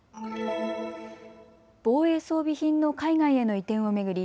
防衛装備品の海外への移転を巡り